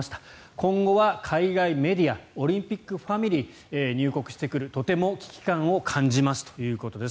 今後は海外メディアオリンピックファミリー入国してくるとても危機感を感じますということです。